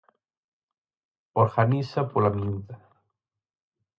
Organiza Polamiúda.